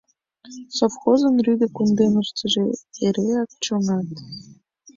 Совхозын рӱдӧ кундемыштыже эреак чоҥат.